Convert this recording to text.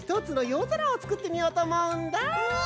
ぞらをつくってみようとおもうんだ。